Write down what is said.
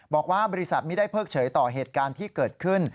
บอกว่าบริษัทไม่ได้เพิกเฉยต่อเหตุการณ์ที่เกิดขึ้น